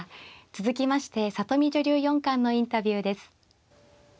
続きまして里見女流四冠のインタビューです。